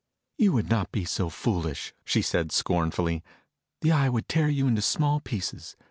"You would not be so foolish," she said scornfully. "The Eye would tear you into small pieces.